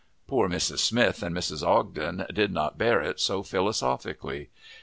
Poor Mrs. Smith and Mrs. Ogden did not bear it so philosophically.